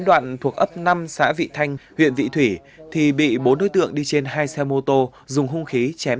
đoạn thuộc ấp năm xã vị thanh huyện vị thủy thì bị bốn đối tượng đi trên hai xe mô tô dùng hung khí chém